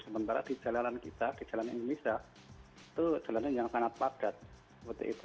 sementara di jalan kita di jalan indonesia itu jalan yang sangat padat